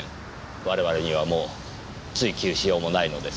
我々にはもう追及しようもないのですが。